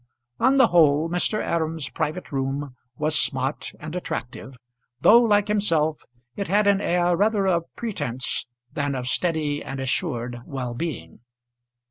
On the whole Mr. Aram's private room was smart and attractive; though, like himself, it had an air rather of pretence than of steady and assured well being.